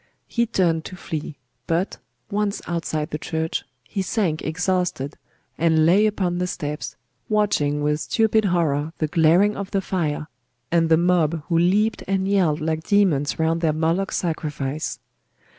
He turned to flee: but, once outside the church, he sank exhausted, and lay upon the steps, watching with stupid horror the glaring of the fire, and the mob who leaped and yelled like demons round their Moloch sacrifice.